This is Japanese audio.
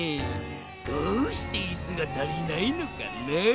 どうしていすがたりないのかな？